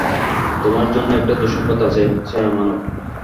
তোমার জন্যে একটা দুঃসংবাদ আছে, ছায়ামানব।